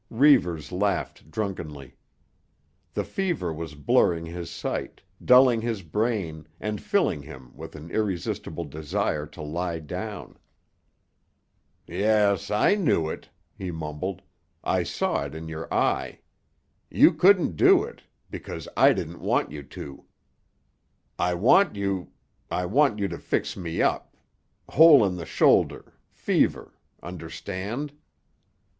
Reivers laughed drunkenly. The fever was blurring his sight, dulling his brain and filling him with an irresistible desire to lie down. "Yes, I knew it," he mumbled. "I saw it in your eye. You couldn't do it—because I didn't want you to. I want you—I want you to fix me up—hole in the shoulder—fever—understand?"